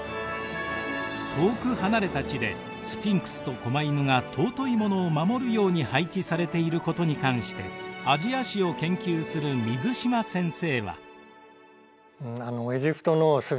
遠く離れた地でスフィンクスと狛犬が尊いものを守るように配置されていることに関してアジア史を研究する水島先生は。